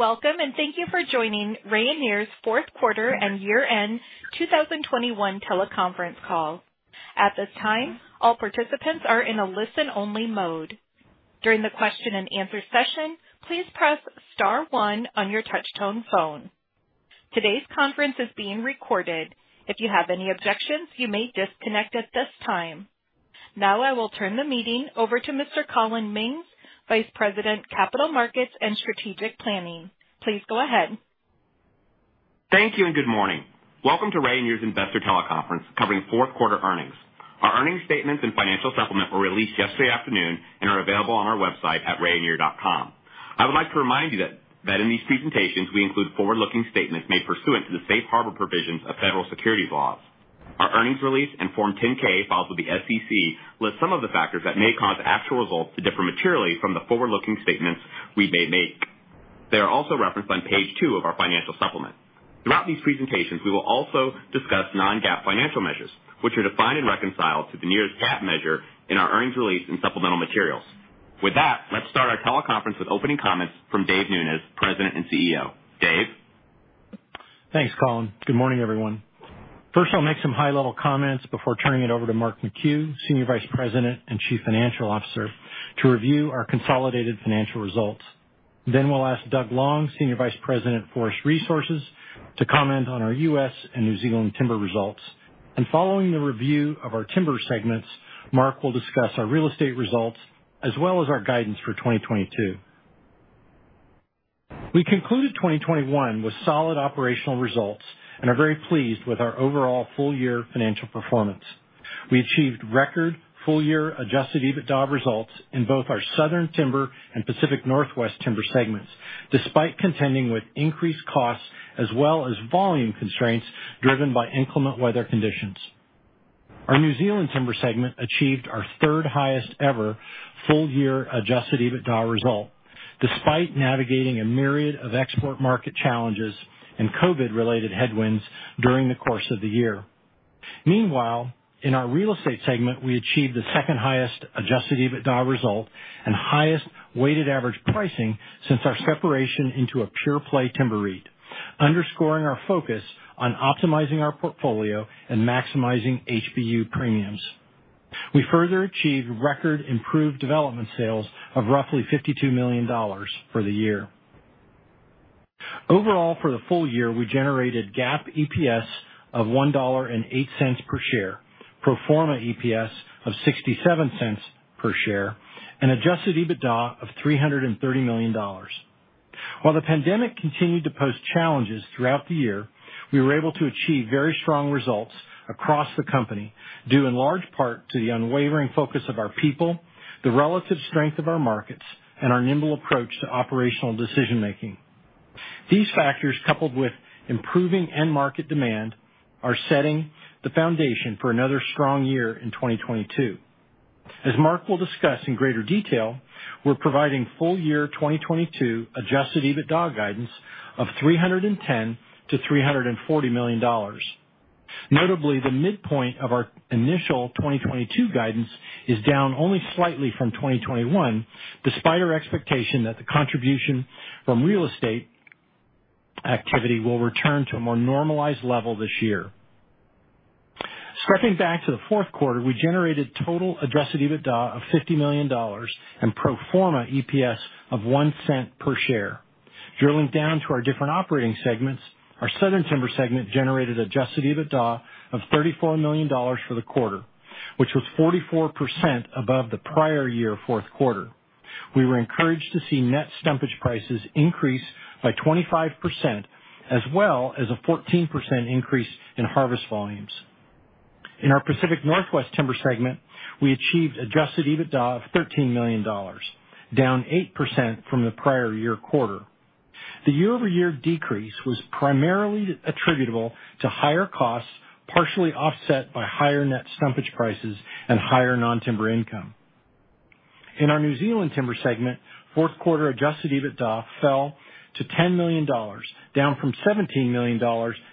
Welcome, and thank you for joining Rayonier's Q4 and year-end 2021 teleconference call. At this time, all participants are in a listen-only mode. During the question and answer session, please press star one on your touchtone phone. Today's conference is being recorded. If you have any objections, you may disconnect at this time. Now I will turn the meeting over to Mr. Collin Mings, Vice President, Capital Markets and Strategic Planning. Please go ahead. Thank you and good morning. Welcome to Rayonier's Investor Teleconference, coveringQ4 earnings. Our earnings statements and financial supplement were released yesterday afternoon and are available on our website at rayonier.com. I would like to remind you that in these presentations, we include forward-looking statements made pursuant to the safe harbor provisions of federal securities laws. Our earnings release and Form 10-K filed with the SEC list some of the factors that may cause actual results to differ materially from the forward-looking statements we may make. They are also referenced on page two of our financial supplement. Throughout these presentations, we will also discuss non-GAAP financial measures, which are defined and reconciled to the nearest GAAP measure in our earnings release and supplemental materials. With that, let's start our teleconference with opening comments from David Nunes, President and CEO. Dave? Thanks, Collin. Good morning, everyone. First, I'll make some high-level comments before turning it over to Mark McHugh, Senior Vice President and Chief Financial Officer, to review our consolidated financial results. We'll ask Doug Long, Senior Vice President, Forest Resources, to comment on our U.S. and New Zealand timber results. Following the review of our timber segments, Mark will discuss our Real Estate results as well as our guidance for 2022. We concluded 2021 with solid operational results and are very pleased with our overall full-year financial performance. We achieved record full-year adjusted EBITDA results in both our Southern Timber and Pacific Northwest Timber segments, despite contending with increased costs as well as volume constraints driven by inclement weather conditions. Our New Zealand Timber segment achieved our third highest ever full-year adjusted EBITDA result, despite navigating a myriad of export market challenges and COVID-related headwinds during the course of the year. Meanwhile, in our Real Estate segment, we achieved the second highest adjusted EBITDA result and highest weighted average pricing since our separation into a pure-play timber REIT, underscoring our focus on optimizing our portfolio and maximizing HBU premiums. We further achieved record improved development sales of roughly $52 million for the year. Overall, for the full year, we generated GAAP EPS of $1.08 per share, pro forma EPS of $0.67 per share, and adjusted EBITDA of $330 million. While the pandemic continued to pose challenges throughout the year, we were able to achieve very strong results across the company, due in large part to the unwavering focus of our people, the relative strength of our markets, and our nimble approach to operational decision-making. These factors, coupled with improving end market demand, are setting the foundation for another strong year in 2022. As Mark will discuss in greater detail, we're providing full-year 2022 adjusted EBITDA guidance of $310 million-$340 million. Notably, the midpoint of our initial 2022 guidance is down only slightly from 2021, despite our expectation that the contribution from real estate activity will return to a more normalized level this year. Stepping back to theQ4, we generated total adjusted EBITDA of $50 million and pro forma EPS of $0.01 per share. Drilling down to our different operating segments, our Southern Timber segment generated adjusted EBITDA of $34 million for the quarter, which was 44% above the prior yearQ4. We were encouraged to see net stumpage prices increase by 25% as well as a 14% increase in harvest volumes. In our Pacific Northwest Timber segment, we achieved adjusted EBITDA of $13 million, down 8% from the prior year quarter. The year-over-year decrease was primarily attributable to higher costs, partially offset by higher net stumpage prices and higher non-timber income. In our New Zealand Timber segment,Q4 adjusted EBITDA fell to $10 million, down from $17 million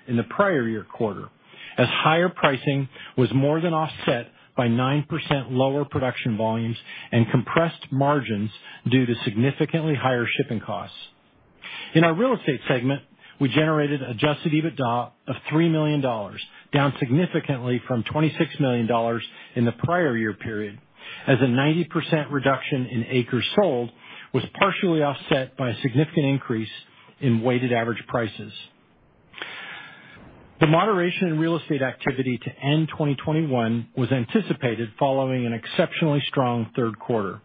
in the prior year quarter, as higher pricing was more than offset by 9% lower production volumes and compressed margins due to significantly higher shipping costs. In our Real Estate segment, we generated adjusted EBITDA of $3 million, down significantly from $26 million in the prior year period, as a 90% reduction in acres sold was partially offset by a significant increase in weighted average prices. The moderation in real estate activity to end 2021 was anticipated following an exceptionally strong Q3.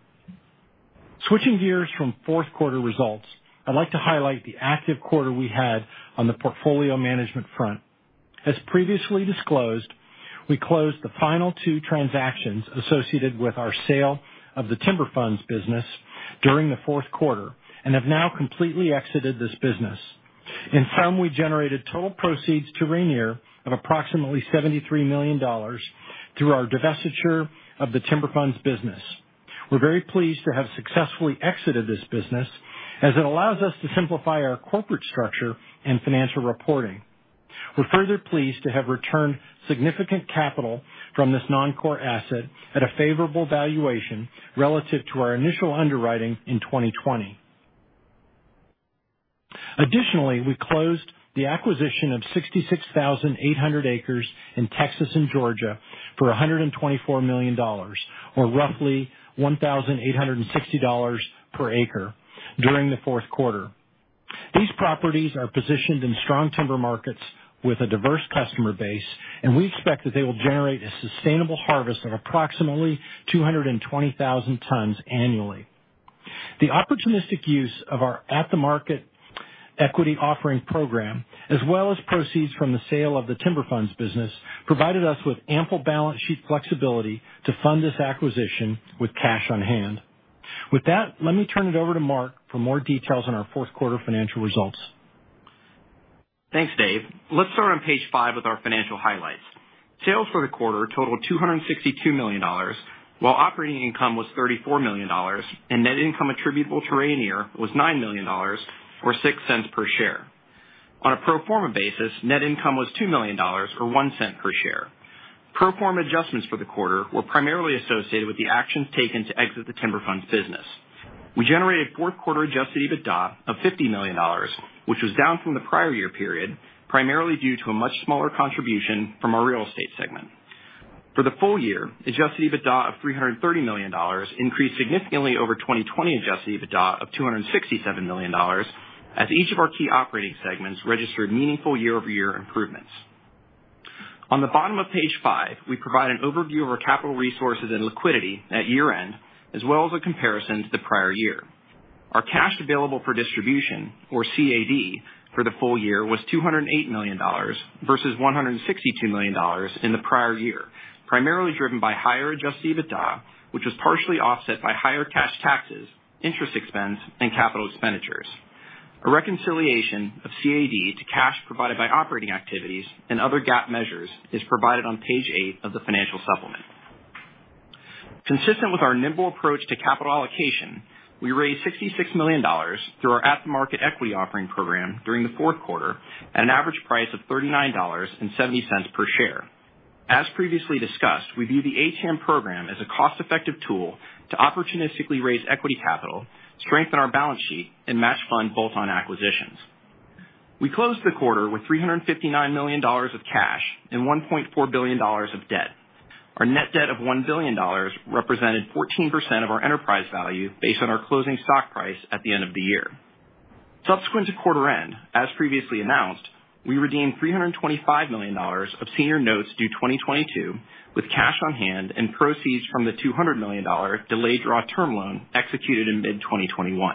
Switching gears fromQ4 results, I'd like to highlight the active quarter we had on the portfolio management front. As previously disclosed, we closed the final 2 transactions associated with our sale of the timber funds business during theQ4 and have now completely exited this business. In sum, we generated total proceeds to Rayonier of approximately $73 million through our divestiture of the timber funds business. We're very pleased to have successfully exited this business, as it allows us to simplify our corporate structure and financial reporting. We're further pleased to have returned significant capital from this non-core asset at a favorable valuation relative to our initial underwriting in 2020. Additionally, we closed the acquisition of 66,800 acres in Texas and Georgia for $124 million, or roughly $1,860 per acre during theQ4. These properties are positioned in strong timber markets with a diverse customer base, and we expect that they will generate a sustainable harvest of approximately 220,000 tons annually. The opportunistic use of our at-the-market equity offering program, as well as proceeds from the sale of the timber funds business, provided us with ample balance sheet flexibility to fund this acquisition with cash on hand. With that, let me turn it over to Mark for more details on ourQ4 financial results. Thanks, Dave. Let's start on page 5 with our financial highlights. Sales for the quarter totaled $262 million, while operating income was $34 million and net income attributable to Rayonier was $9 million or $0.06 per share. On a pro forma basis, net income was $2 million or $0.01 per share. Pro forma adjustments for the quarter were primarily associated with the actions taken to exit the timber funds business. We generatedQ4 adjusted EBITDA of $50 million, which was down from the prior year period, primarily due to a much smaller contribution from our Real Estate segment. For the full year, adjusted EBITDA of $330 million increased significantly over 2020 adjusted EBITDA of $267 million as each of our key operating segments registered meaningful year-over-year improvements. On the bottom of page 5, we provide an overview of our capital resources and liquidity at year-end, as well as a comparison to the prior year. Our cash available for distribution, or CAD, for the full year was $208 million versus $162 million in the prior year, primarily driven by higher adjusted EBITDA, which was partially offset by higher cash taxes, interest expense, and capital expenditures. A reconciliation of CAD to cash provided by operating activities and other GAAP measures is provided on page 8 of the financial supplement. Consistent with our nimble approach to capital allocation, we raised $66 million through our at-the-market equity offering program during theQ4 at an average price of $39.70 per share. As previously discussed, we view the ATM program as a cost-effective tool to opportunistically raise equity capital, strengthen our balance sheet, and match fund both on acquisitions. We closed the quarter with $359 million of cash and $1.4 billion of debt. Our net debt of $1 billion represented 14% of our enterprise value based on our closing stock price at the end of the year. Subsequent to quarter end, as previously announced, we redeemed $325 million of senior notes due 2022 with cash on hand and proceeds from the $200 million delayed draw term loan executed in mid-2021.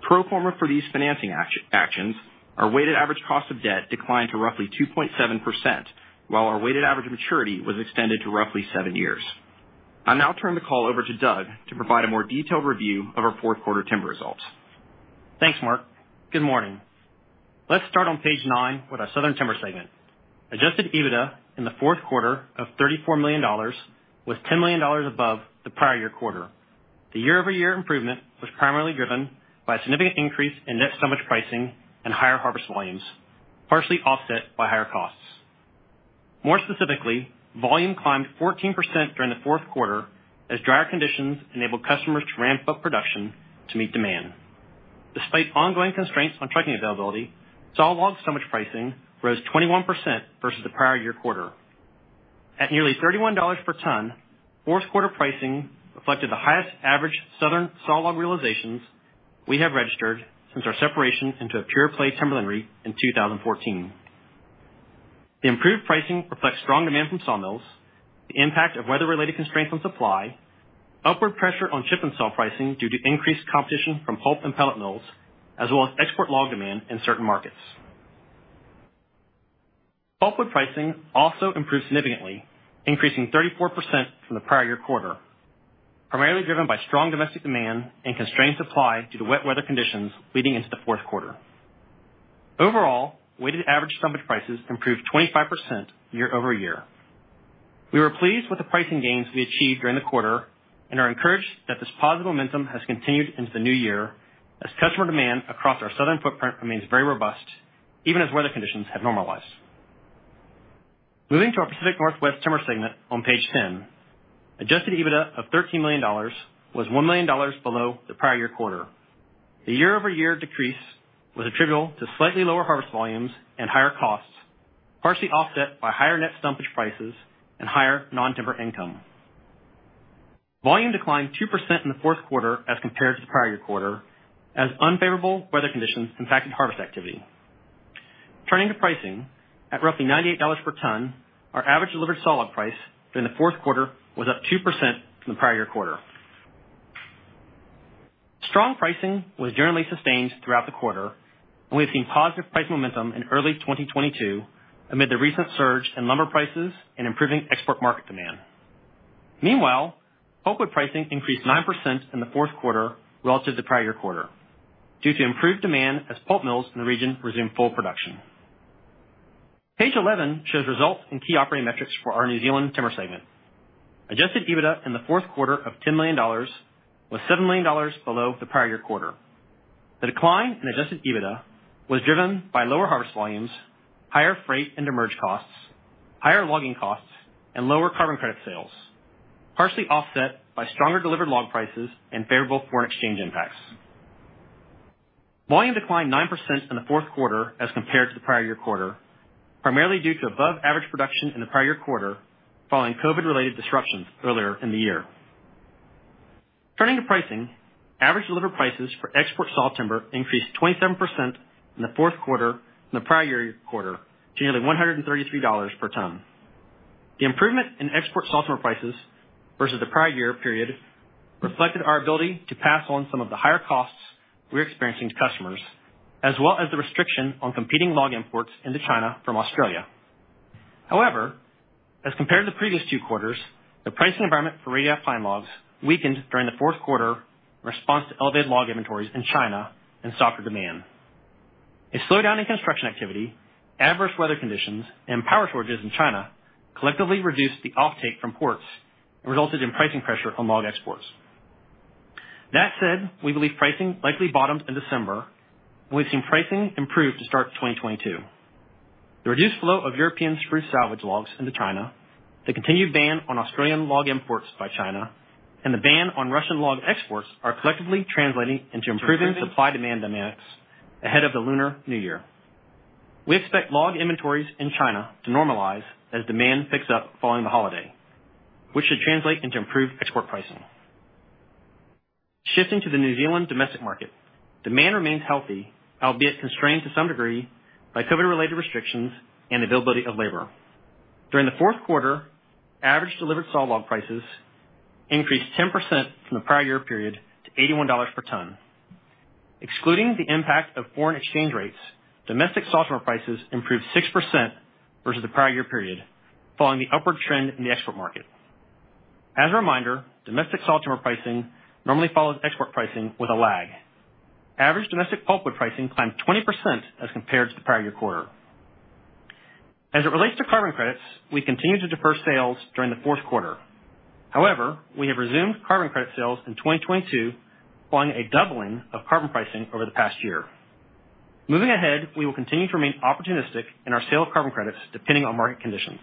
Pro forma for these financing actions, our weighted average cost of debt declined to roughly 2.7%, while our weighted average maturity was extended to roughly 7 years. I'll now turn the call over to Doug to provide a more detailed review of ourQ4 timber results. Thanks, Mark. Good morning. Let's start on page 9 with our Southern Timber segment. Adjusted EBITDA in theQ4 of $34 million was $10 million above the prior year quarter. The year-over-year improvement was primarily driven by a significant increase in net stumpage pricing and higher harvest volumes, partially offset by higher costs. More specifically, volume climbed 14% during theQ4 as drier conditions enabled customers to ramp up production to meet demand. Despite ongoing constraints on trucking availability, sawlog stumpage pricing rose 21% versus the prior year quarter. At nearly $31 per ton,Q4 pricing reflected the highest average southern sawlog realizations we have registered since our separation into a pure-play timberland REIT in 2014. The improved pricing reflects strong demand from sawmills, the impact of weather-related constraints on supply, upward pressure on chip and saw pricing due to increased competition from pulp and pellet mills, as well as export log demand in certain markets. Pulpwood pricing also improved significantly, increasing 34% from the prior year quarter, primarily driven by strong domestic demand and constrained supply due to wet weather conditions leading into theQ4. Overall, weighted average frontage prices improved 25% year-over-year. We were pleased with the pricing gains we achieved during the quarter and are encouraged that this positive momentum has continued into the new year as customer demand across our Southern footprint remains very robust, even as weather conditions have normalized. Moving to our Pacific Northwest Timber segment on page 10, adjusted EBITDA of $13 million was $1 million below the prior year quarter. The year-over-year decrease was attributable to slightly lower harvest volumes and higher costs, partially offset by higher net frontage prices and higher non-timber income. Volume declined 2% in theQ4 as compared to the prior year quarter as unfavorable weather conditions impacted harvest activity. Turning to pricing, at roughly $98 per ton, our average delivered solid price during theQ4 was up 2% from the prior year quarter. Strong pricing was generally sustained throughout the quarter, and we've seen positive price momentum in early 2022 amid the recent surge in lumber prices and improving export market demand. Meanwhile, pulpwood pricing increased 9% in theQ4 relative to the prior year quarter due to improved demand as pulp mills in the region resumed full production. Page 11 shows results in key operating metrics for our New Zealand Timber segment. Adjusted EBITDA in theQ4 of 10 million dollars was 7 million dollars below the prior year quarter. The decline in adjusted EBITDA was driven by lower harvest volumes, higher freight and energy costs, higher logging costs, and lower carbon credit sales, partially offset by stronger delivered log prices and favorable foreign exchange impacts. Volume declined 9% in theQ4 as compared to the prior year quarter, primarily due to above average production in the prior year quarter, following COVID related disruptions earlier in the year. Turning to pricing, average delivered prices for export sawtimber increased 27% in theQ4 from the prior year quarter to nearly 133 dollars per ton. The improvement in export sawtimber prices versus the prior year period reflected our ability to pass on some of the higher costs we're experiencing to customers, as well as the restriction on competing log imports into China from Australia. However, as compared to the previous two quarters, the pricing environment for radiata pine logs weakened during theQ4 in response to elevated log inventories in China and softer demand. A slowdown in construction activity, adverse weather conditions, and power shortages in China collectively reduced the offtake from ports and resulted in pricing pressure on log exports. That said, we believe pricing likely bottomed in December, and we've seen pricing improve to start 2022. The reduced flow of European spruce salvage logs into China, the continued ban on Australian log imports by China, and the ban on Russian log exports are collectively translating into improving supply demand dynamics ahead of the Lunar New Year. We expect log inventories in China to normalize as demand picks up following the holiday, which should translate into improved export pricing. Shifting to the New Zealand domestic market, demand remains healthy, albeit constrained to some degree by COVID-related restrictions and availability of labor. During theQ4, average delivered sawlog prices increased 10% from the prior year period to 81 dollars per ton. Excluding the impact of foreign exchange rates, domestic sawtimber prices improved 6% versus the prior year period, following the upward trend in the export market. As a reminder, domestic sawtimber pricing normally follows export pricing with a lag. Average domestic pulpwood pricing climbed 20% as compared to the prior-year quarter. As it relates to carbon credits, we continue to defer sales during theQ4. However, we have resumed carbon credit sales in 2022 following a doubling of carbon pricing over the past year. Moving ahead, we will continue to remain opportunistic in our sale of carbon credits, depending on market conditions.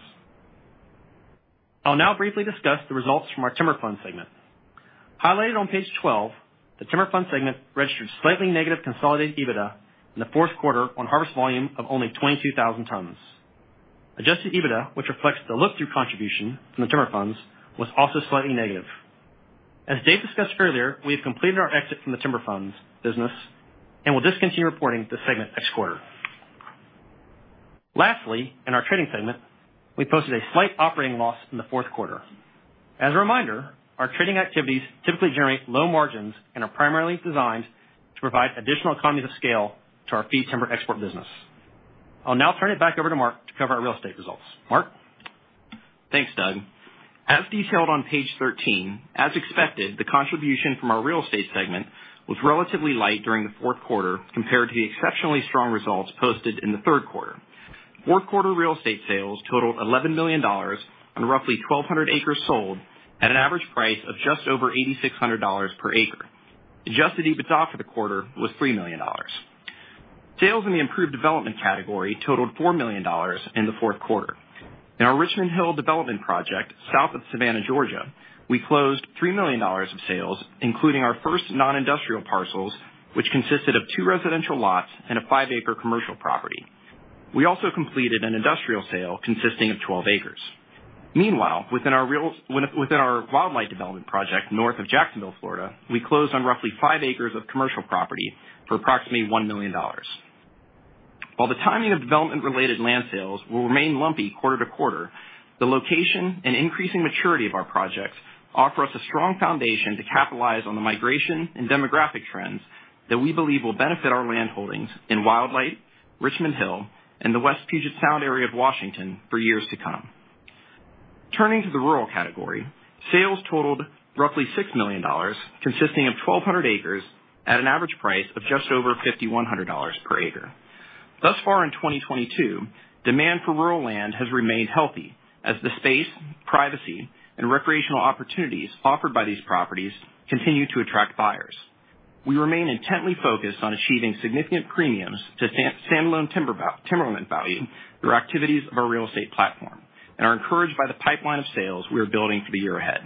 I'll now briefly discuss the results from our timber fund segment. Highlighted on page 12, the timber fund segment registered slightly negative consolidated EBITDA in theQ4 on harvest volume of only 22,000 tons. Adjusted EBITDA, which reflects the look-through contribution from the timber funds, was also slightly negative. As Dave discussed earlier, we have completed our exit from the timber funds business and will discontinue reporting this segment next quarter. Lastly, in our trading segment, we posted a slight operating loss in theQ4. As a reminder, our trading activities typically generate low margins and are primarily designed to provide additional economies of scale to our fee timber export business. I'll now turn it back over to Mark to cover our Real Estate results. Mark? Thanks, Doug. As detailed on page 13, as expected, the contribution from our Real Estate segment was relatively light during theQ4 compared to the exceptionally strong results posted in the Q3.Q4 Real Estate sales totaled $11 million on roughly 1,200 acres sold at an average price of just over $8,600 per acre. Adjusted EBITDA for the quarter was $3 million. Sales in the improved development category totaled $4 million in theQ4. In our Richmond Hill development project, south of Savannah, Georgia, we closed $3 million of sales, including our first non-industrial parcels, which consisted of 2 residential lots and a 5-acre commercial property. We also completed an industrial sale consisting of 12 acres. Meanwhile, within our Wildlight development project, north of Jacksonville, Florida, we closed on roughly 5 acres of commercial property for approximately $1 million. While the timing of development-related land sales will remain lumpy quarter to quarter, the location and increasing maturity of our projects offer us a strong foundation to capitalize on the migration and demographic trends that we believe will benefit our land holdings in Wildlight, Richmond Hill, and the West Puget Sound area of Washington for years to come. Turning to the rural category, sales totaled roughly $6 million, consisting of 1,200 acres at an average price of just over $5,100 per acre. Thus far in 2022, demand for rural land has remained healthy as the space, privacy, and recreational opportunities offered by these properties continue to attract buyers. We remain intently focused on achieving significant premiums to standalone timberland value through activities of our real estate platform, and are encouraged by the pipeline of sales we are building for the year ahead.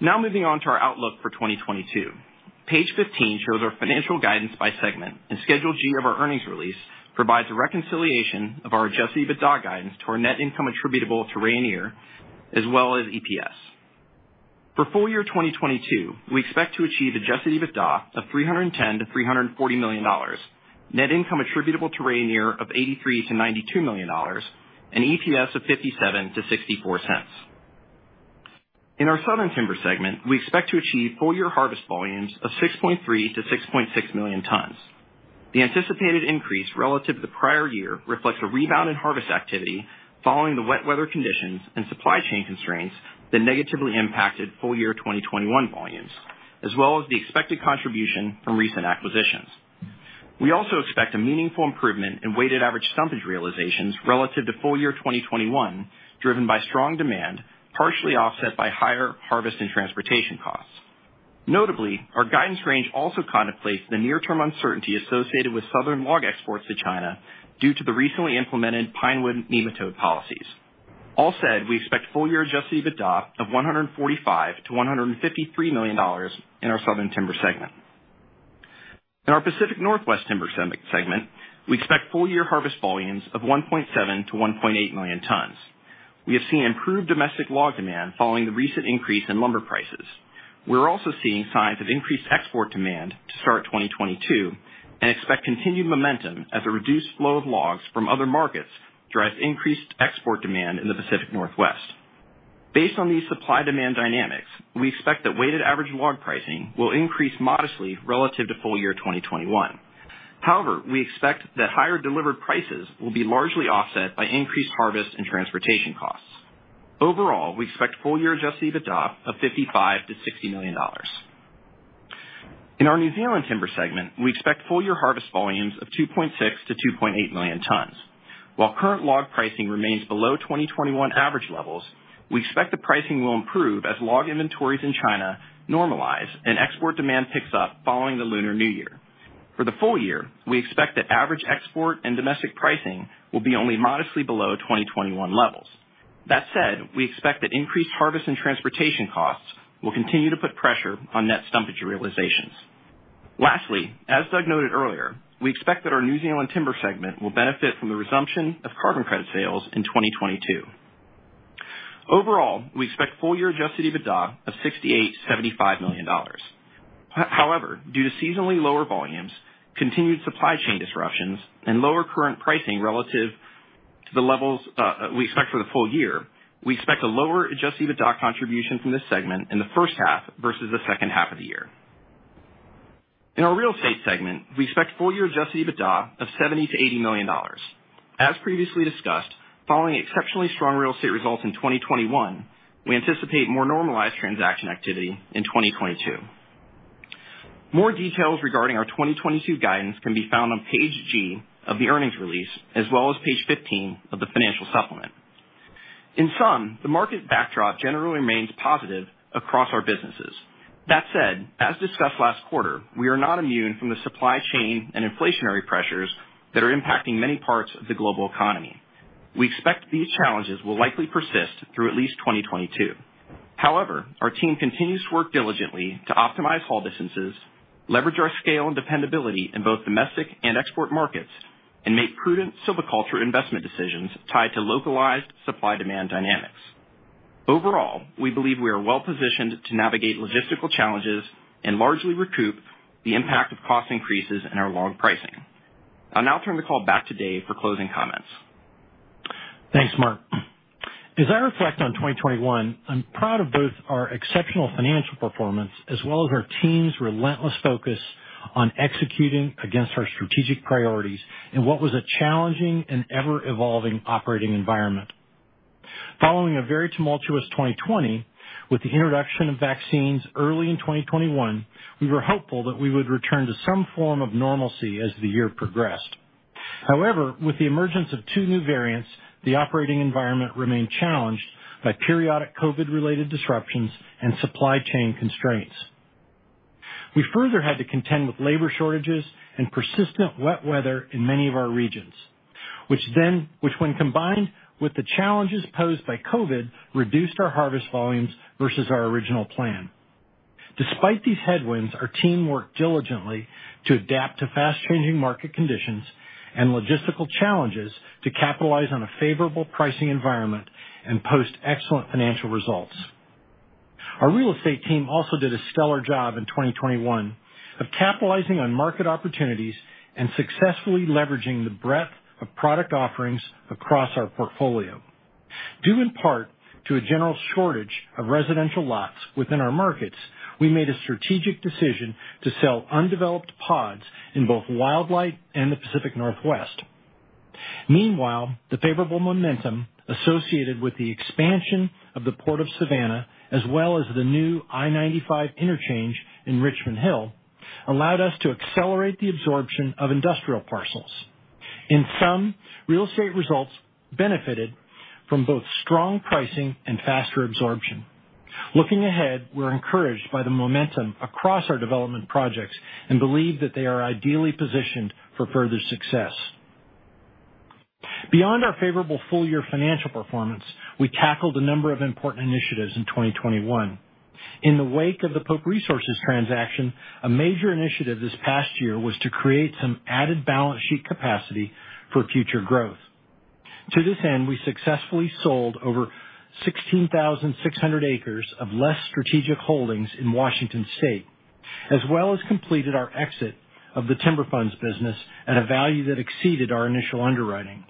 Now moving on to our outlook for 2022. Page 15 shows our financial guidance by segment, and Schedule G of our earnings release provides a reconciliation of our adjusted EBITDA guidance to our net income attributable to Rayonier, as well as EPS. For full year 2022, we expect to achieve adjusted EBITDA of $310 million-$340 million, net income attributable to Rayonier of $83 million-$92 million, and EPS of $0.57-$0.64. In our Southern Timber segment, we expect to achieve full year harvest volumes of 6.3-6.6 million tons. The anticipated increase relative to the prior year reflects a rebound in harvest activity following the wet weather conditions and supply chain constraints that negatively impacted full year 2021 volumes, as well as the expected contribution from recent acquisitions. We also expect a meaningful improvement in weighted average stumpage realizations relative to full year 2021, driven by strong demand, partially offset by higher harvest and transportation costs. Notably, our guidance range also contemplates the near-term uncertainty associated with Southern log exports to China due to the recently implemented pinewood nematode policies. All said, we expect full year adjusted EBITDA of $145 million-$153 million in our Southern Timber segment. In our Pacific Northwest Timber segment, we expect full year harvest volumes of 1.7 million-1.8 million tons. We have seen improved domestic log demand following the recent increase in lumber prices. We're also seeing signs of increased export demand to start 2022 and expect continued momentum as a reduced flow of logs from other markets drives increased export demand in the Pacific Northwest. Based on these supply-demand dynamics, we expect that weighted average log pricing will increase modestly relative to full year 2021. However, we expect that higher delivered prices will be largely offset by increased harvest and transportation costs. Overall, we expect full year adjusted EBITDA of $55 million-$60 million. In our New Zealand Timber segment, we expect full year harvest volumes of 2.6-2.8 million tons. While current log pricing remains below 2021 average levels, we expect the pricing will improve as log inventories in China normalize and export demand picks up following the Lunar New Year. For the full year, we expect that average export and domestic pricing will be only modestly below 2021 levels. That said, we expect that increased harvest and transportation costs will continue to put pressure on net stumpage realizations. Lastly, as Doug noted earlier, we expect that our New Zealand Timber segment will benefit from the resumption of carbon credit sales in 2022. Overall, we expect full year adjusted EBITDA of $68 million-$75 million. However, due to seasonally lower volumes, continued supply chain disruptions, and lower current pricing relative to the levels we expect for the full year, we expect a lower adjusted EBITDA contribution from this segment in the H1 versus the H2 of the year. In our Real Estate segment, we expect full-year adjusted EBITDA of $70 million-$80 million. As previously discussed, following exceptionally strong Real Estate results in 2021, we anticipate more normalized transaction activity in 2022. More details regarding our 2022 guidance can be found on page G of the earnings release, as well as page 15 of the financial supplement. In sum, the market backdrop generally remains positive across our businesses. That said, as discussed last quarter, we are not immune from the supply chain and inflationary pressures that are impacting many parts of the global economy. We expect these challenges will likely persist through at least 2022. However, our team continues to work diligently to optimize haul distances, leverage our scale and dependability in both domestic and export markets, and make prudent silviculture investment decisions tied to localized supply-demand dynamics. Overall, we believe we are well-positioned to navigate logistical challenges and largely recoup the impact of cost increases in our log pricing. I'll now turn the call back to Dave for closing comments. Thanks, Mark. As I reflect on 2021, I'm proud of both our exceptional financial performance as well as our team's relentless focus on executing against our strategic priorities in what was a challenging and ever-evolving operating environment. Following a very tumultuous 2020, with the introduction of vaccines early in 2021, we were hopeful that we would return to some form of normalcy as the year progressed. However, with the emergence of two new variants, the operating environment remained challenged by periodic COVID-related disruptions and supply chain constraints. We further had to contend with labor shortages and persistent wet weather in many of our regions, which, when combined with the challenges posed by COVID, reduced our harvest volumes versus our original plan. Despite these headwinds, our team worked diligently to adapt to fast-changing market conditions and logistical challenges to capitalize on a favorable pricing environment and post excellent financial results. Our Real Estate team also did a stellar job in 2021 of capitalizing on market opportunities and successfully leveraging the breadth of product offerings across our portfolio. Due in part to a general shortage of residential lots within our markets, we made a strategic decision to sell undeveloped pods in both Wildlight and the Pacific Northwest. Meanwhile, the favorable momentum associated with the expansion of the Port of Savannah, as well as the new I-95 interchange in Richmond Hill, allowed us to accelerate the absorption of industrial parcels. In sum, Real Estate results benefited from both strong pricing and faster absorption. Looking ahead, we're encouraged by the momentum across our development projects and believe that they are ideally positioned for further success. Beyond our favorable full-year financial performance, we tackled a number of important initiatives in 2021. In the wake of the Pope Resources transaction, a major initiative this past year was to create some added balance sheet capacity for future growth. To this end, we successfully sold over 16,600 acres of less strategic holdings in Washington State, as well as completed our exit of the timber funds business at a value that exceeded our initial underwriting.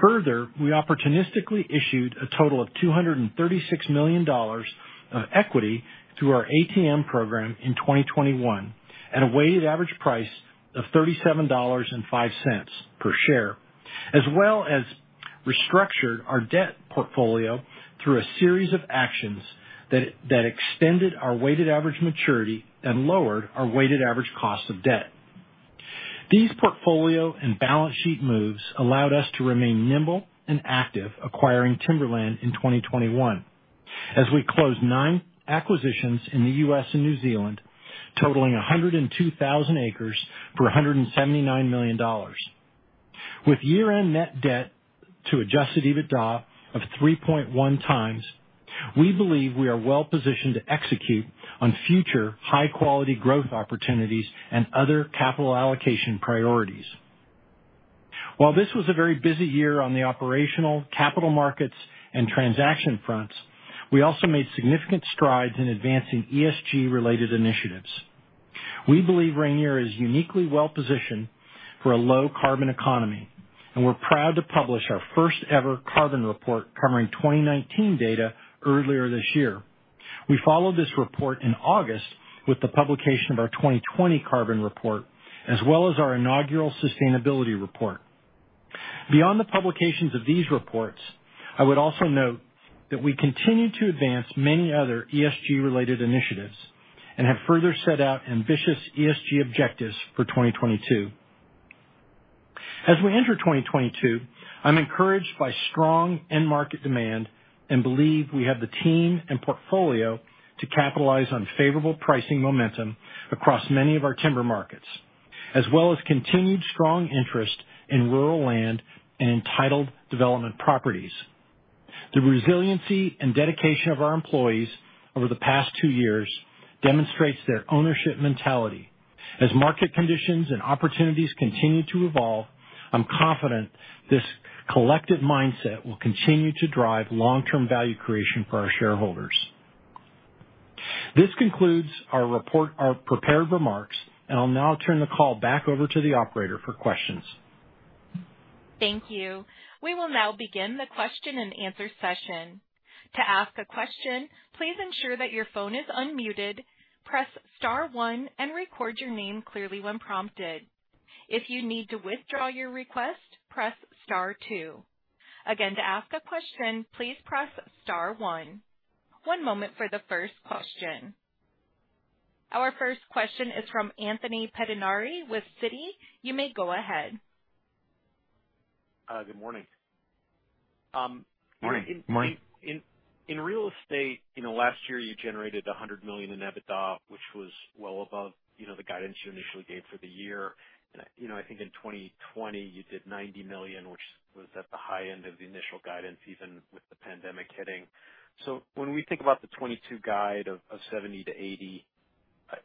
Further, we opportunistically issued a total of $236 million of equity through our ATM program in 2021 at a weighted average price of $37.05 per share, as well as restructured our debt portfolio through a series of actions that extended our weighted average maturity and lowered our weighted average cost of debt. These portfolio and balance sheet moves allowed us to remain nimble and active acquiring timberland in 2021, as we closed nine acquisitions in the U.S. and New Zealand, totaling 102,000 acres for $179 million. With year-end net debt to adjusted EBITDA of 3.1 times, we believe we are well-positioned to execute on future high-quality growth opportunities and other capital allocation priorities. While this was a very busy year on the operational, capital markets, and transaction fronts, we also made significant strides in advancing ESG-related initiatives. We believe Rayonier is uniquely well-positioned for a low-carbon economy, and we're proud to publish our first ever carbon report covering 2019 data earlier this year. We followed this report in August with the publication of our 2020 carbon report, as well as our inaugural sustainability report. Beyond the publications of these reports, I would also note that we continue to advance many other ESG-related initiatives and have further set out ambitious ESG objectives for 2022. As we enter 2022, I'm encouraged by strong end market demand and believe we have the team and portfolio to capitalize on favorable pricing momentum across many of our timber markets, as well as continued strong interest in rural land and entitled development properties. The resiliency and dedication of our employees over the past two years demonstrates their ownership mentality. As market conditions and opportunities continue to evolve, I'm confident this collective mindset will continue to drive long-term value creation for our shareholders. This concludes our prepared remarks, and I'll now turn the call back over to the operator for questions. Thank you. We will now begin the question-and-answer session. To ask a question, please ensure that your phone is unmuted, press star one and record your name clearly when prompted. If you need to withdraw your request, press star two. Again, to ask a question, please press star one. One moment for the first question. Our first question is from Anthony Pettinari with Citigroup. You may go ahead. Good morning. Morning. In real estate last year you generated $100 million in EBITDA, which was well above the guidance you initially gave for the year. You know, I think in 2020, you did $90 million, which was at the high end of the initial guidance, even with the pandemic hitting. When we think about the 2022 guide of $70 million-$80 million,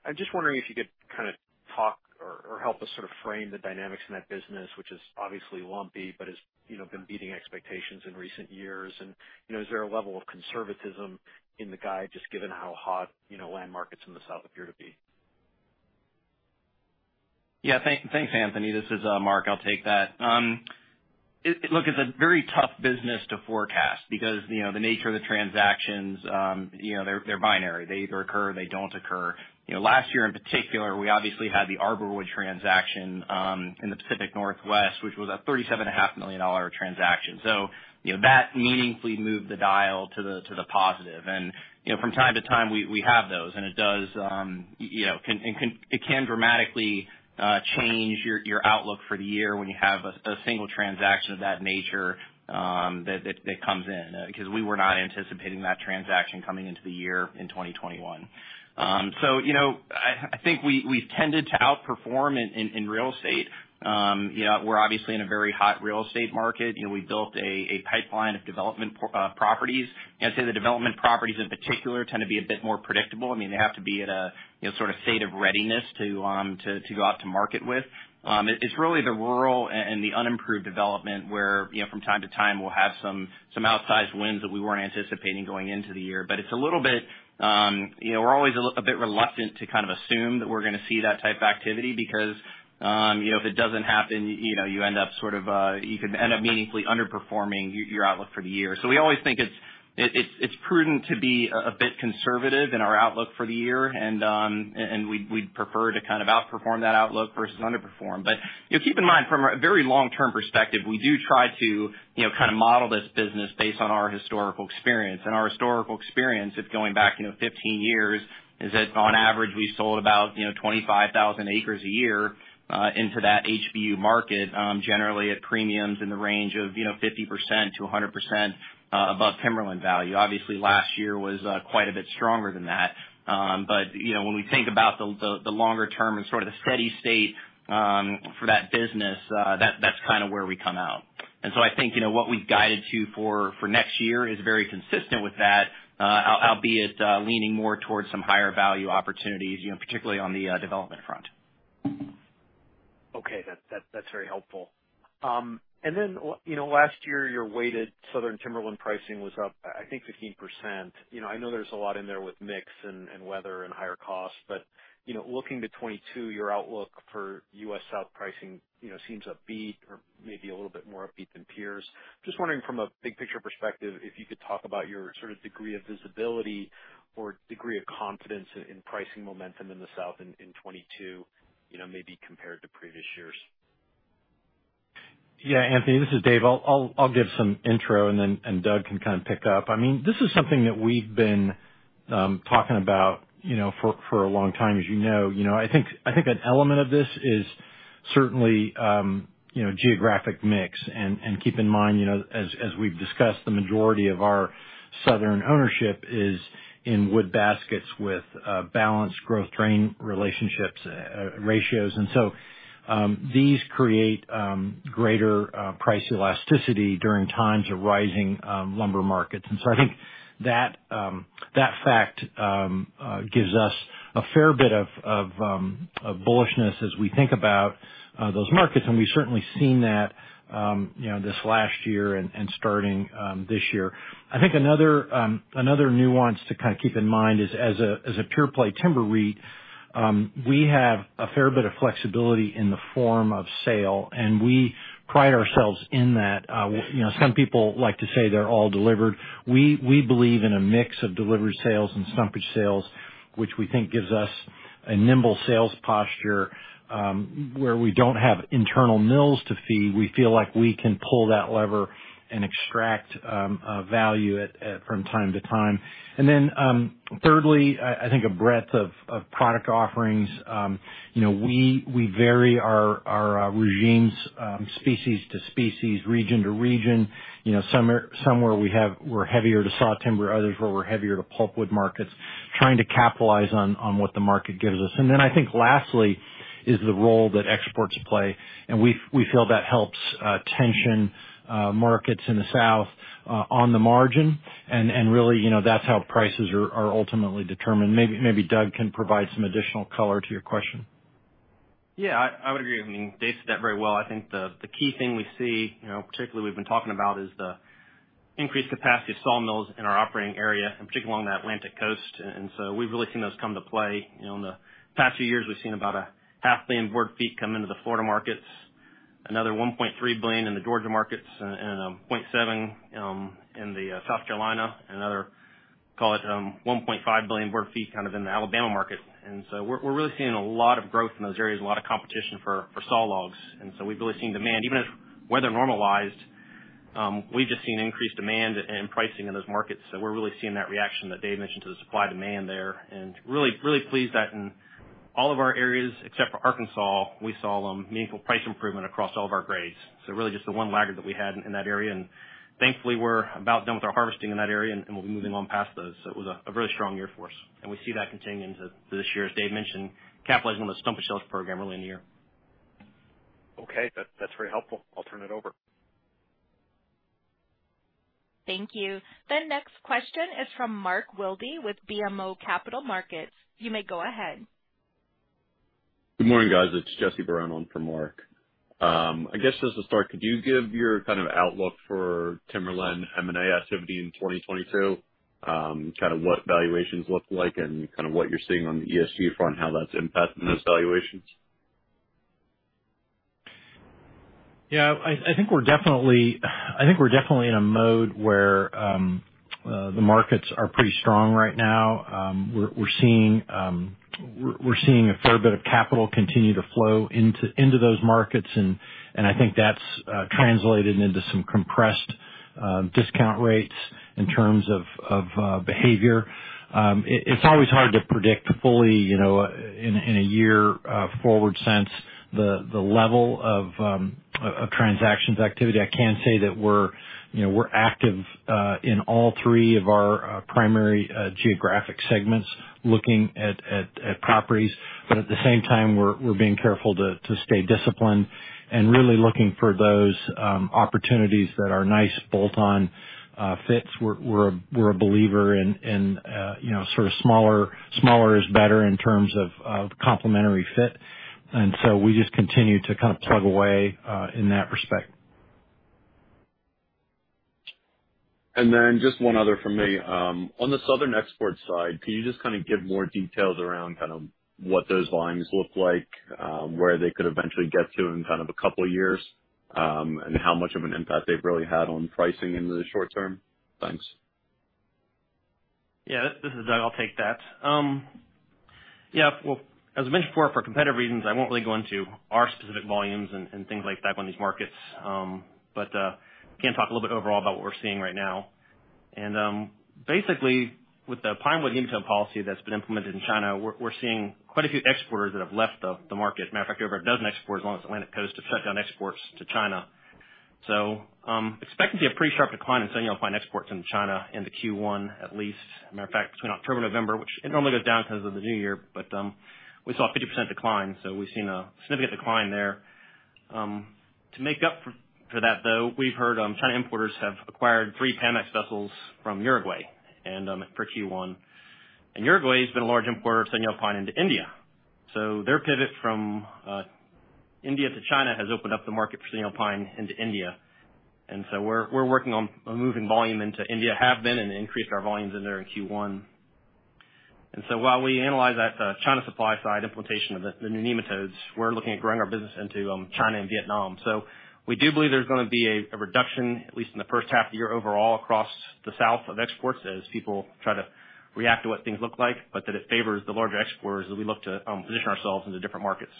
I'm just wondering if you could kinda talk or help us sort of frame the dynamics in that business, which is obviously lumpy, but has been beating expectations in recent years. You know, is there a level of conservatism in the guide, just given how hot land markets in the South appear to be? Thanks, Anthony. This is Mark. I'll take that. Look, it's a very tough business to forecast because the nature of the transactions they're binary. They either occur or they don't occur. You know, last year in particular, we obviously had the Heartwood transaction in the Pacific Northwest, which was a $37.5 million transaction. You know, that meaningfully moved the dial to the positive. You know, from time to time we have those and it does can, it can dramatically change your outlook for the year when you have a single transaction of that nature that comes in because we were not anticipating that transaction coming into the year in 2021. You know, I think we've tended to outperform in Real Estate. You know, we're obviously in a very hot Real Estate market. You know, we've built a pipeline of development properties. I'd say the development properties in particular tend to be a bit more predictable. I mean, they have to be at a you know, sort of state of readiness to go out to market with. It's really the rural and the unimproved development where you know, from time to time we'll have some outsized wins that we weren't anticipating going into the year. It's a little bit we're always a little, a bit reluctant to kind of assume that we're gonna see that type of activity because if it doesn't happen you end up sort of, you can end up meaningfully underperforming your outlook for the year. We always think it's prudent to be a bit conservative in our outlook for the year. We'd prefer to kind of outperform that outlook versus underperform. You know, keep in mind from a very long-term perspective, we do try to kind of model this business based on our historical experience. Our historical experience, it's going back 15 years, is that on average, we sold about 25,000 acres a year into that HBU market, generally at premiums in the range of 50%-100% above timberland value. Obviously, last year was quite a bit stronger than that. But when we think about the longer term and sort of the steady state for that business, that's kind of where we come out. I think what we've guided to for next year is very consistent with that, albeit leaning more towards some higher value opportunities, particularly on the development front. Okay. That's very helpful. And then last year, your weighted southern timberland pricing was up, I think 15%. You know, I know there's a lot in there with mix and weather and higher costs, but looking to 2022, your outlook for U.S. South pricing seems upbeat or maybe a little bit more upbeat than peers. Just wondering from a big picture perspective, if you could talk about your sort of degree of visibility or degree of confidence in pricing momentum in the South in 2022 maybe compared to previous years. Yeah, Anthony, this is Dave. I'll give some intro and then Doug can kind of pick up. I mean, this is something that we've been talking about for a long time, as you know. You know, I think an element of this is certainly you know, geographic mix. Keep in mind as we've discussed, the majority of our southern ownership is in wood baskets with balanced growth drain ratios. These create greater price elasticity during times of rising lumber markets. I think that fact gives us a fair bit of bullishness as we think about those markets. We've certainly seen that this last year and starting this year. I think another nuance to kind of keep in mind is as a pure play timber REIT, we have a fair bit of flexibility in the form of sale, and we pride ourselves in that. You know, some people like to say they're all delivered. We believe in a mix of delivery sales and stumpage sales, which we think gives us a nimble sales posture, where we don't have internal mills to feed. We feel like we can pull that lever and extract value from time to time. Thirdly, I think a breadth of product offerings. You know, we vary our regimes, species to species, region to region. You know, somewhere we're heavier to sawtimber, others where we're heavier to pulpwood markets, trying to capitalize on what the market gives us. Then I think lastly is the role that exports play, and we feel that helps tension markets in the south on the margin. really that's how prices are ultimately determined. Maybe Doug can provide some additional color to your question. Yeah. I would agree. I mean, Dave said that very well. I think the key thing we see particularly we've been talking about, is the increased capacity of sawmills in our operating area and particularly along the Atlantic coast. We've really seen those come to play. You know, in the past few years, we've seen about 0.5 billion board feet come into the Florida markets, another 1.3 billion in the Georgia markets, and 0.7 in the South Carolina, another, call it, 1.5 billion board feet kind of in the Alabama market. We're really seeing a lot of growth in those areas, a lot of competition for saw logs. We've really seen demand. Even if weather normalized, we've just seen increased demand and pricing in those markets. We're really seeing that reaction that Dave mentioned to the supply and demand there, and really, really pleased that in all of our areas, except for Arkansas, we saw meaningful price improvement across all of our grades. Really just the one laggard that we had in that area. Thankfully, we're about done with our harvesting in that area, and we'll be moving on past those. It was a really strong year for us, and we see that continuing to this year, as Dave mentioned, capitalizing on the stumpage sales program early in the year. Okay. That, that's very helpful. I'll turn it over. Thank you. The next question is from Mark Wilde with BMO Capital Markets. You may go ahead. Good morning, guys. It's Jesse Baron on for Mark. I guess just to start, could you give your kind of outlook for timberland M&A activity in 2022? Kind of what valuations look like and kind of what you're seeing on the ESG front, how that's impacting those valuations. Yeah. I think we're definitely in a mode where the markets are pretty strong right now. We're seeing a fair bit of capital continue to flow into those markets, and I think that's translated into some compressed discount rates in terms of behavior. It's always hard to predict fully in a year forward sense the level of transactions activity. I can say that we're we're active in all three of our primary geographic segments looking at properties. At the same time, we're being careful to stay disciplined and really looking for those opportunities that are nice bolt-on fits. We're a believer in you know sort of smaller is better in terms of complementary fit. We just continue to kind of plug away in that respect. Just one other from me. On the southern export side, can you just kind of give more details around kind of what those volumes look like, where they could eventually get to in kind of a couple years, and how much of an impact they've really had on pricing into the short term? Thanks. Yeah. This is Doug. I'll take that. Yeah. Well, as I mentioned before, for competitive reasons, I won't really go into our specific volumes and things like that on these markets. Can talk a little bit overall about what we're seeing right now. Basically, with the pinewood nematode policy that's been implemented in China, we're seeing quite a few exporters that have left the market. Matter of fact, over a dozen exporters along the Atlantic Coast have shut down exports to China. Expect to see a pretty sharp decline in Southern Yellow Pine exports into China into Q1, at least. Matter of fact, between October, November, which it normally goes down because of the new year, we saw a 50% decline, so we've seen a significant decline there. To make up for that, though, we've heard China importers have acquired three Panamax vessels from Uruguay for Q1. Uruguay has been a large importer of Southern Yellow Pine into India. Their pivot from India to China has opened up the market for Southern Yellow Pine into India. We're working on moving volume into India, have been, and increased our volumes in there in Q1. While we analyze that China supply side implementation of the new nematodes, we're looking at growing our business into China and Vietnam. We do believe there's gonna be a reduction, at least in the H1 of the year overall across the south of exports as people try to react to what things look like, but that it favors the larger exporters as we look to position ourselves into different markets.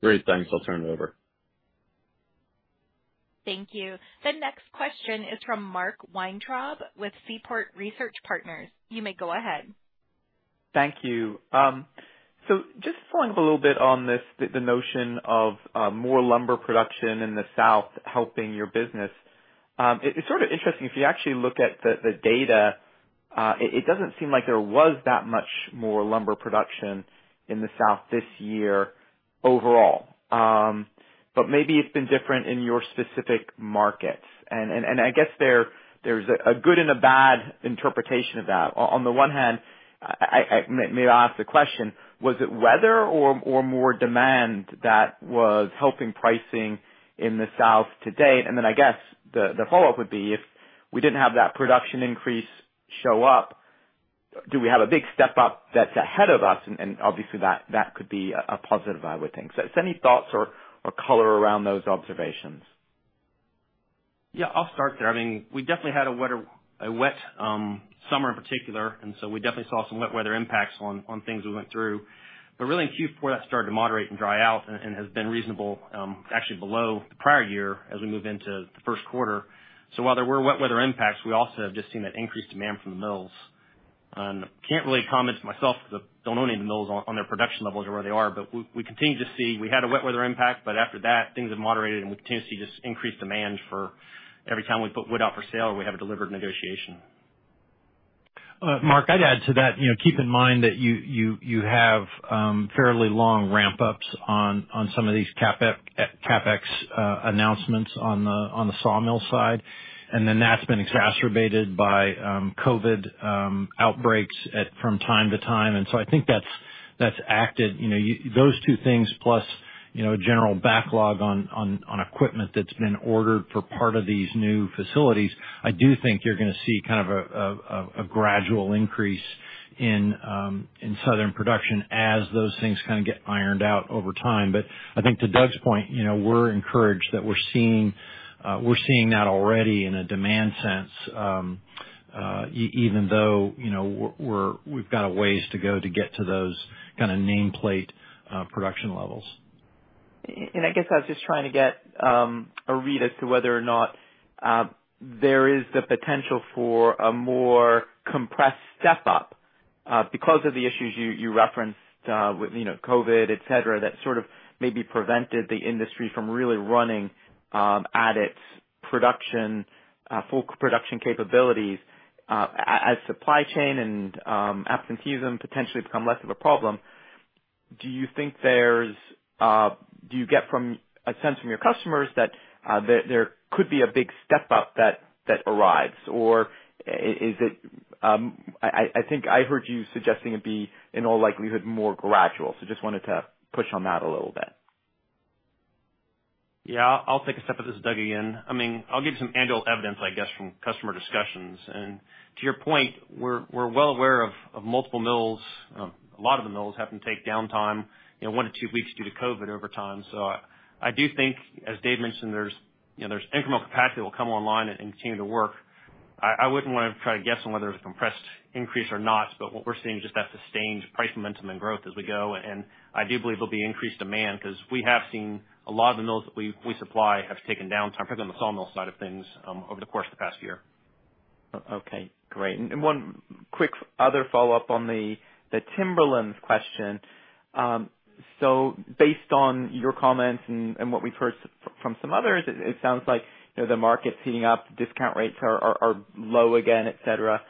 Great. Thanks. I'll turn it over. Thank you. The next question is from Mark Weintraub with Seaport Research Partners. You may go ahead. Thank you. Just following up a little bit on this, the notion of more lumber production in the South helping your business, it's sort of interesting, if you actually look at the data, it doesn't seem like there was that much more lumber production in the South this year overall. Maybe it's been different in your specific markets. I guess there's a good and a bad interpretation of that. On the one hand, may I ask the question, was it weather or more demand that was helping pricing in the South to date? I guess the follow-up would be if we didn't have that production increase show up, do we have a big step up that's ahead of us? Obviously that could be a positive, I would think. Just any thoughts or color around those observations? Yeah, I'll start there. I mean, we definitely had a wet summer in particular, and so we definitely saw some wet weather impacts on things we went through. Really in Q4 that started to moderate and dry out and has been reasonable, actually below the prior year as we move into theQ1. While there were wet weather impacts, we also have just seen that increased demand from the mills. Can't really comment myself 'cause I don't own any of the mills on their production levels or where they are, but we continue to see we had a wet weather impact, but after that, things have moderated and we continue to see just increased demand for every time we put wood out for sale or we have a delivered negotiation. Mark, I'd add to that keep in mind that you have fairly long ramp-ups on some of these CapEx announcements on the sawmill side, and then that's been exacerbated by COVID outbreaks from time to time. I think that's acted. You know, those two things plus a general backlog on equipment that's been ordered for part of these new facilities, I do think you're gonna see kind of a gradual increase in Southern production as those things kinda get ironed out over time. I think to Doug's point we're encouraged that we're seeing that already in a demand sense, even though we've got a ways to go to get to those kinda nameplate production levels. I guess I was just trying to get a read as to whether or not there is the potential for a more compressed step-up because of the issues you referenced with you know COVID et cetera that sort of maybe prevented the industry from really running at its full production capabilities as supply chain and absenteeism potentially become less of a problem. Do you think there's a sense from your customers that there could be a big step-up that arrives or is it? I think I heard you suggesting it'd be in all likelihood more gradual. Just wanted to push on that a little bit. Yeah. I'll take a stab at this, Doug again. I mean, I'll give some anecdotal evidence, I guess, from customer discussions. To your point, we're well aware of multiple mills. A lot of the mills happen to take downtime one to two weeks due to COVID over time. So I do think, as Dave mentioned, there's there's incremental capacity that will come online and continue to work. I wouldn't wanna try to guess on whether it was a compressed increase or not, but what we're seeing is just that sustained price momentum and growth as we go. I do believe there'll be increased demand 'cause we have seen a lot of the mills that we supply have taken downtime, particularly on the sawmill side of things, over the course of the past year. Okay, great. One quick other follow-up on the timberlands question. Based on your comments and what we've heard from some others, it sounds like the market's heating up, discount rates are low again, et cetera.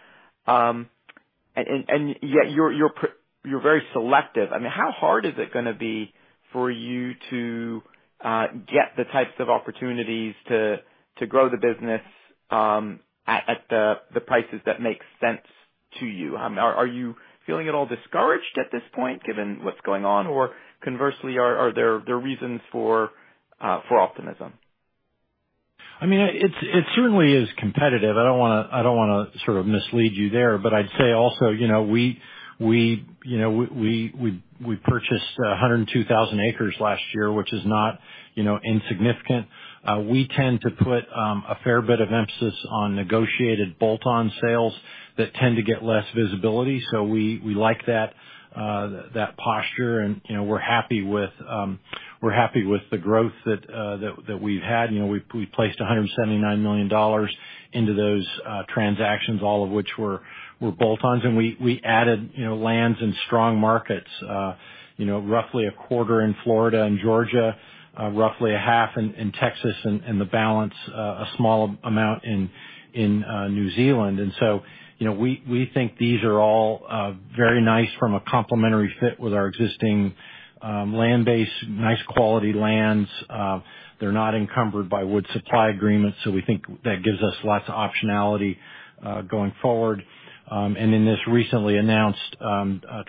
Yet you're very selective. I mean, how hard is it gonna be for you to get the types of opportunities to grow the business at the prices that make sense to you? Are you feeling at all discouraged at this point given what's going on? Or conversely, are there reasons for optimism? I mean, it's certainly competitive. I don't wanna sort of mislead you there, but I'd say also we purchased 102,000 acres last year, which is not insignificant. We tend to put a fair bit of emphasis on negotiated bolt-on sales that tend to get less visibility. We like that posture and we're happy with the growth that we've had. You know, we placed $179 million into those transactions, all of which were bolt-ons. We added lands in strong markets. You know, roughly a quarter in Florida and Georgia, roughly a half in Texas and the balance, a small amount in New Zealand. You know, we think these are all very nice from a complementary fit with our existing land base, nice quality lands. They're not encumbered by wood supply agreements, so we think that gives us lots of optionality going forward. In this recently announced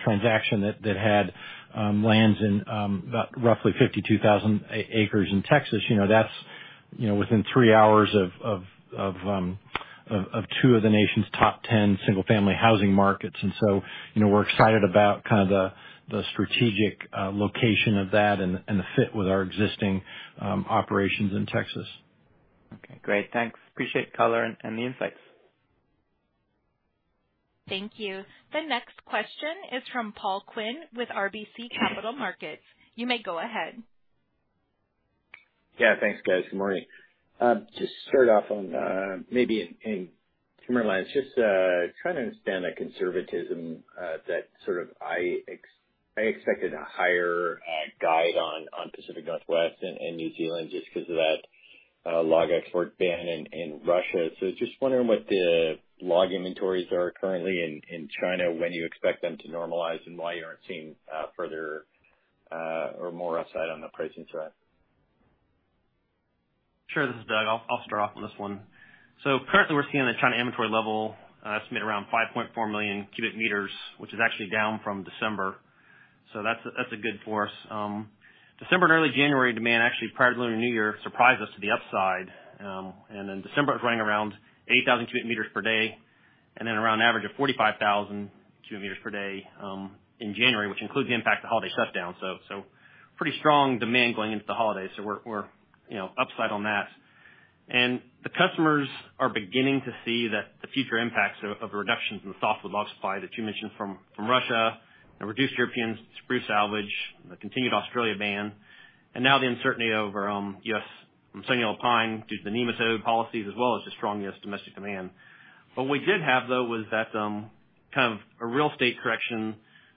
transaction that had lands in about roughly 52,000 acres in texas that's within 3 hours of two of the nation's top 10 single-family housing markets. You know, we're excited about kind of the strategic location of that and the fit with our existing operations in Texas. Okay, great. Thanks. Appreciate the color and the insights. Thank you. The next question is from Paul Quinn with RBC Capital Markets. You may go ahead. Yeah, thanks guys. Good morning. Just start off on maybe in Timberlands. Just trying to understand the conservatism that sort of I expected a higher guide on Pacific Northwest and New Zealand just 'cause of that log export ban in Russia. Just wondering what the log inventories are currently in China, when you expect them to normalize, and why you aren't seeing further or more upside on the pricing front. Sure. This is Doug. I'll start off on this one. Currently we're seeing the China inventory level sitting around 5.4 million cubic meters, which is actually down from December. That's good for us. December and early January demand actually prior to Lunar New Year surprised us to the upside. In December, it was running around 80,000 cubic meters per day and then around an average of 45,000 cubic meters per day in January, which includes the impact of the holiday shutdown. Pretty strong demand going into the holidays. We're you know upside on that. Customers are beginning to see that the future impacts of the reductions in the softwood log supply that you mentioned from Russia, the reduced European spruce salvage, the continued Australia ban, and now the uncertainty over U.S. mountain pine due to the nematode policies, as well as the strong U.S. domestic demand. What we did have, though, was that kind of a real estate correction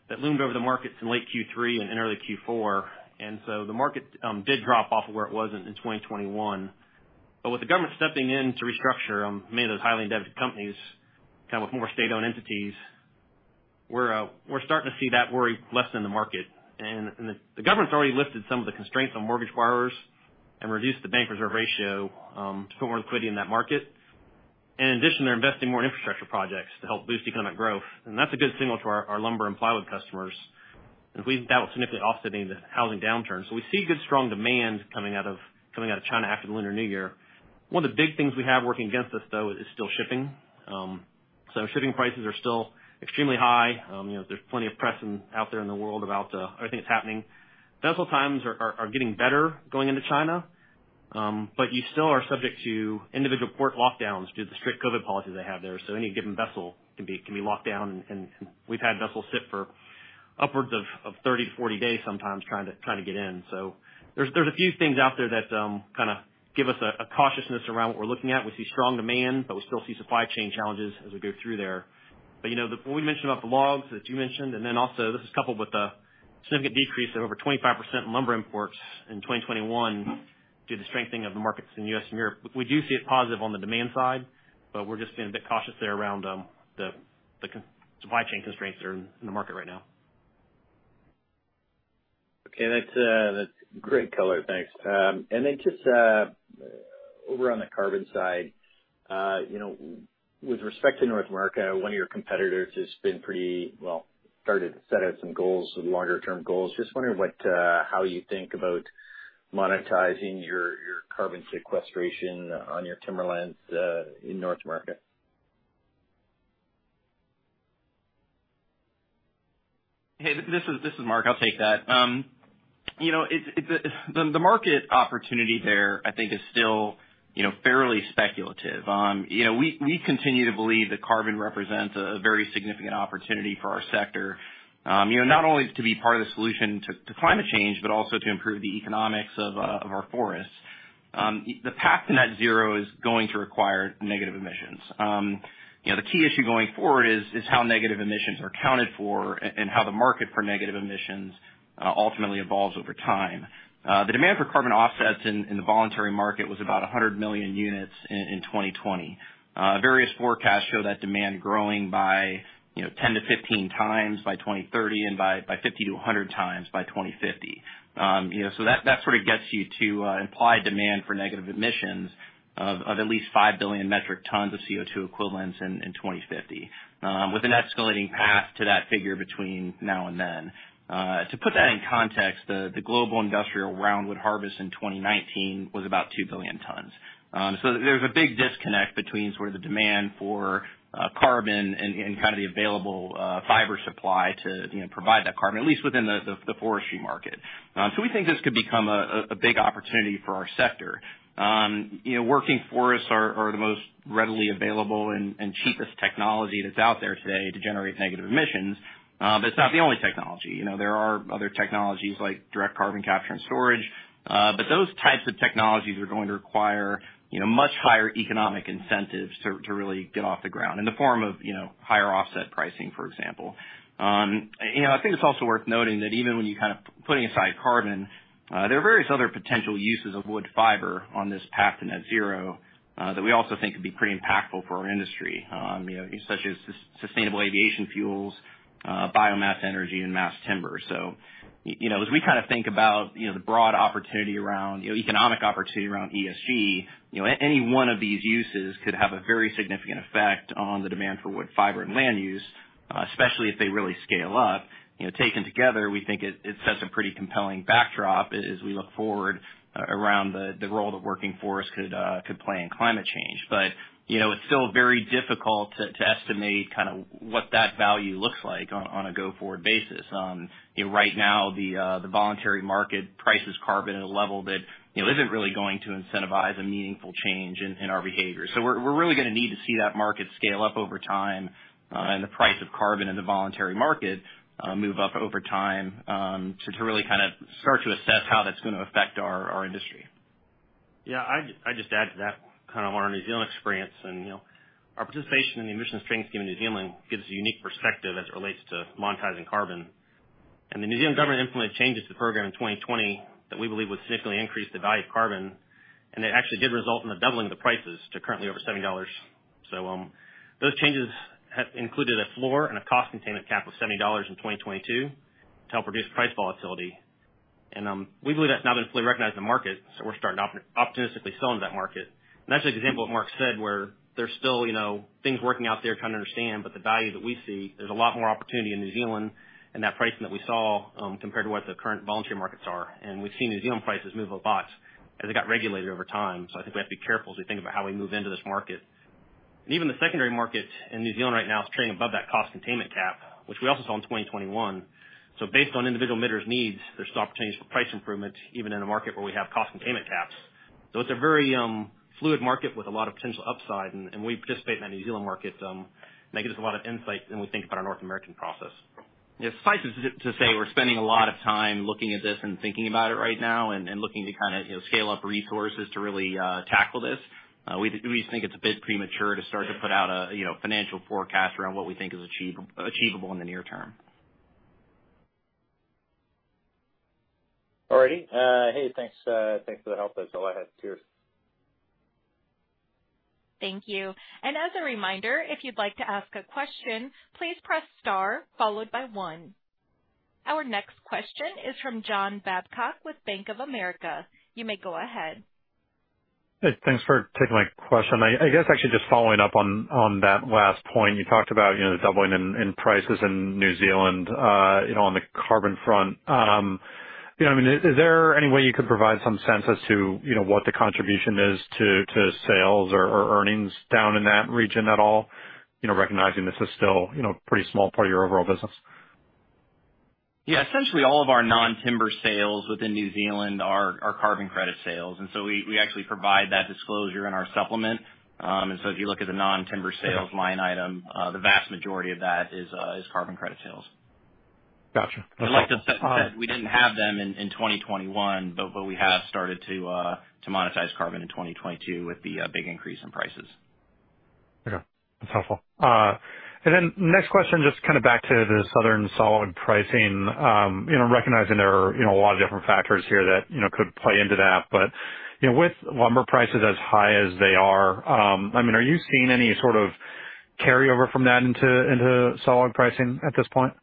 that loomed over the markets in late Q3 and early Q4. The market did drop off of where it was in 2021. With the government stepping in to restructure many of those highly indebted companies, kind of with more state-owned entities, we're starting to see that worry less in the market. The government's already lifted some of the constraints on mortgage borrowers and reduced the bank reserve ratio to put more liquidity in that market. In addition, they're investing more in infrastructure projects to help boost economic growth. That's a good signal to our lumber and plywood customers, and we believe that will significantly offsetting the housing downturn. We see good, strong demand coming out of China after the Lunar New Year. One of the big things we have working against us, though, is still shipping. Shipping prices are still extremely high. You know, there's plenty of press out there in the world about everything that's happening. Vessel times are getting better going into China, but you still are subject to individual port lockdowns due to the strict COVID policies they have there. Any given vessel can be locked down, and we've had vessels sit for upwards of 30-40 days sometimes trying to get in. There's a few things out there that kinda give us a cautiousness around what we're looking at. We see strong demand, but we still see supply chain challenges as we go through there. You know, the what we mentioned about the logs that you mentioned, and then also this is coupled with a significant decrease of over 25% in lumber imports in 2021 due to the strengthening of the markets in the U.S. and Europe. We do see it positive on the demand side, but we're just being a bit cautious there around the ongoing supply chain constraints that are in the market right now. Okay. That's great color. Thanks. Just over on the carbon side with respect to North America, one of your competitors has been pretty well started to set out some goals, some longer term goals. Just wondering what, how you think about monetizing your carbon sequestration on your timberlands in North America. This is Mark. I'll take that. You know, the market opportunity there, I think is still fairly speculative. You know, we continue to believe that carbon represents a very significant opportunity for our sector. You know, not only to be part of the solution to climate change, but also to improve the economics of our forests. The path to net zero is going to require negative emissions. You know, the key issue going forward is how negative emissions are accounted for and how the market for negative emissions ultimately evolves over time. The demand for carbon offsets in the voluntary market was about 100 million units in 2020. Various forecasts show that demand growing by 10-15 times by 2030 and by 50-100 times by 2050. That sort of gets you to implied demand for negative emissions of at least 5 billion metric tons of CO2 equivalents in 2050, with an escalating path to that figure between now and then. To put that in context, the global industrial roundwood harvest in 2019 was about 2 billion tons. There's a big disconnect between sort of the demand for carbon and kind of the available fiber supply to provide that carbon, at least within the forestry market. We think this could become a big opportunity for our sector. You know, working forests are the most readily available and cheapest technology that's out there today to generate negative emissions. It's not the only technology. You know, there are other technologies like direct carbon capture and storage. Those types of technologies are going to require you know, much higher economic incentives to really get off the ground in the form of you know, higher offset pricing, for example. You know, I think it's also worth noting that even when you're kind of putting aside carbon, there are various other potential uses of wood fiber on this path to net zero that we also think could be pretty impactful for our industry such as sustainable aviation fuels, biomass energy, and mass timber. You know, as we kind of think about the broad opportunity around economic opportunity around esg any one of these uses could have a very significant effect on the demand for wood fiber and land use, especially if they really scale up. You know, taken together, we think it sets a pretty compelling backdrop as we look forward around the role that working forests could play in climate change. You know, it's still very difficult to estimate kind of what that value looks like on a go-forward basis. You know, right now the voluntary market prices carbon at a level that isn't really going to incentivize a meaningful change in our behavior. We're really gonna need to see that market scale up over time, and the price of carbon in the voluntary market move up over time, to really kind of start to assess how that's gonna affect our industry. Yeah, I'd just add to that kind of our New Zealand experience and our participation in the Emissions Trading Scheme in New Zealand gives a unique perspective as it relates to monetizing carbon. The New Zealand government implemented changes to the program in 2020 that we believe would significantly increase the value of carbon, and it actually did result in the doubling of the prices to currently over 70 dollars. Those changes have included a floor and a cost containment cap of 70 dollars in 2022 to help reduce price volatility. We believe that's now been fully recognized in the market, so we're starting optimistically selling to that market. That's just an example of what Mark said, where there's still things working out there trying to understand. The value that we see, there's a lot more opportunity in New Zealand and that pricing that we saw, compared to what the current voluntary markets are. We've seen New Zealand prices move a lot as they got regulated over time. I think we have to be careful as we think about how we move into this market. Even the secondary market in New Zealand right now is trading above that cost containment cap, which we also saw in 2021. Based on individual emitters' needs, there's still opportunities for price improvements even in a market where we have cost containment caps. It's a very fluid market with a lot of potential upside, and we participate in that New Zealand market. That gives us a lot of insight when we think about our North American process. Yeah, suffice to say we're spending a lot of time looking at this and thinking about it right now and looking to kinda scale up resources to really tackle this. We just think it's a bit premature to start to put out a financial forecast around what we think is achievable in the near term. All righty. Hey, thanks for the help. That's all I had. Cheers. Thank you. As a reminder, if you'd like to ask a question, please press star followed by one. Our next question is from John Babcock with Bank of America. You may go ahead. Hey, thanks for taking my question. I guess actually just following up on that last point, you talked about the doubling in prices in New zealand on the carbon front. You know, I mean, is there any way you could provide some sense as to what the contribution is to sales or earnings down in that region at all? You know, recognizing this is still pretty small part of your overall business. Yeah, essentially all of our non-timber sales within New Zealand are carbon credit sales, and so we actually provide that disclosure in our supplement. If you look at the non-timber sales line item, the vast majority of that is carbon credit sales. Gotcha. I'd like to say we didn't have them in 2021, but we have started to monetize carbon in 2022 with the big increase in prices. Okay, that's helpful. Next question, just kind of back to the Southern sawlog pricing. You know, recognizing there are a lot of different factors here that could play into that, but with lumber prices as high as they are, I mean, are you seeing any sort of carryover from that into sawlog pricing at this point?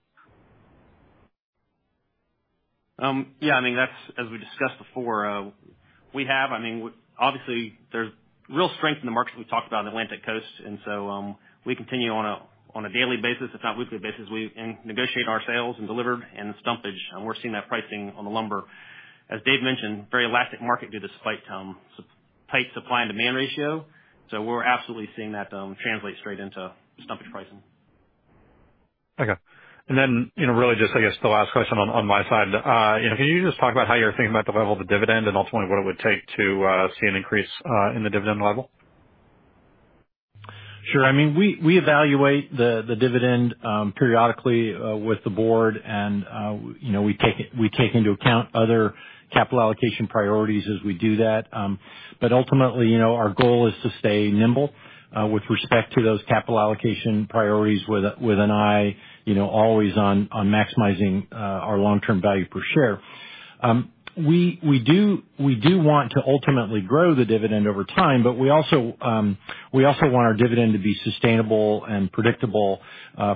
Yeah, I mean, that's as we discussed before. Obviously there's real strength in the markets we've talked about on the Atlantic Coast, and we continue on a daily basis, if not weekly basis. We negotiate our sales and delivery of the stumpage, and we're seeing that lumber pricing. As Dave mentioned, very elastic market due to tight supply and demand ratio. We're absolutely seeing that translate straight into stumpage pricing. Okay. You know, really just I guess the last question on my side. You know, can you just talk about how you're thinking about the level of the dividend and ultimately what it would take to see an increase in the dividend level? Sure. I mean, we evaluate the dividend periodically with the board and we take into account other capital allocation priorities as we do that. ultimately our goal is to stay nimble with respect to those capital allocation priorities with an eye always on maximizing our long-term value per share. We do want to ultimately grow the dividend over time, but we also want our dividend to be sustainable and predictable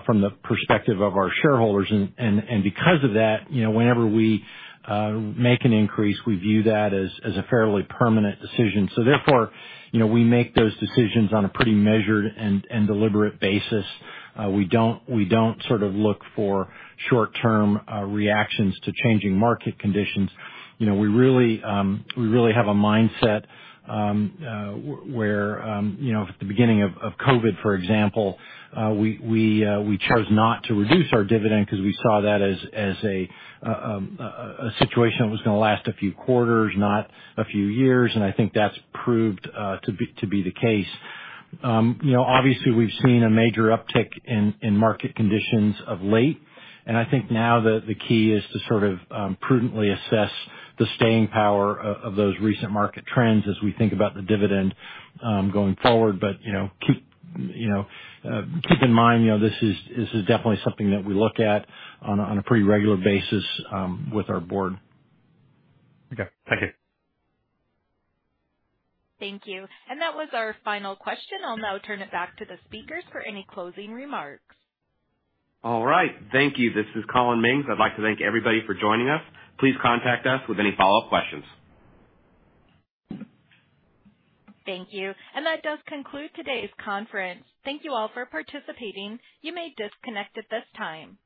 from the perspective of our shareholders. Because of that whenever we make an increase, we view that as a fairly permanent decision. therefore we make those decisions on a pretty measured and deliberate basis. We don't sort of look for short-term reactions to changing market conditions. You know, we really have a mindset where you know, at the beginning of Covid, for example, we chose not to reduce our dividend because we saw that as a situation that was gonna last a few quarters, not a few years. I think that's proved to be the case. You know, obviously we've seen a major uptick in market conditions of late, and I think now the key is to sort of prudently assess the staying power of those recent market trends as we think about the dividend going forward. You know, keep in mind this is definitely something that we look at on a pretty regular basis with our board. Okay, thank you. Thank you. That was our final question. I'll now turn it back to the speakers for any closing remarks. All right. Thank you. This is Collin Mings. I'd like to thank everybody for joining us. Please contact us with any follow-up questions. Thank you. That does conclude today's conference. Thank you all for participating. You may disconnect at this time.